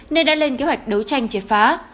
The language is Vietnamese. nên đã lên kế hoạch đấu tranh chế phá